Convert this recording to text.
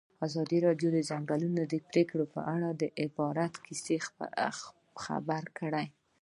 ازادي راډیو د د ځنګلونو پرېکول په اړه د عبرت کیسې خبر کړي.